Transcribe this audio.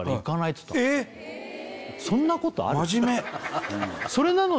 そんなことある？